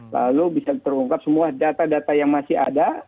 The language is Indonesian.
lalu bisa terungkap semua data data yang masih ada